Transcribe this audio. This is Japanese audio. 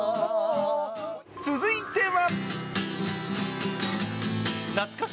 続いては。